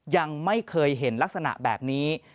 ยังไม่เคยเห็นลักษณะแบบนี้